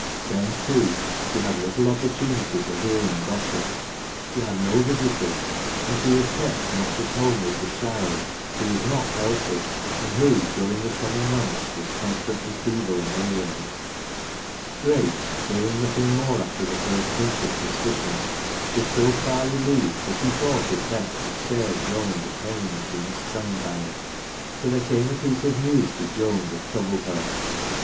Then, too, she had little oppor tunity for hearing gossip. She had no visitors, and she A as kept much at home with the child, who was not liealthy, and who, during the summer months, was con stantly feeble and ailiug. Grace, hearing nothing more after the first hint of suspicion, was so far relieved that he thought it best to spare Joan the pain of being stung by it. . But there came a piece of news to Joan that troubled her.